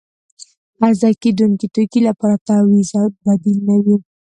د عرضه کیدونکې توکي لپاره تعویض او بدیل نه وي.